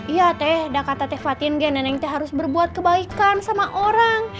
iya teh udah kata teh fatin ya neneng harus berbuat kebaikan sama orang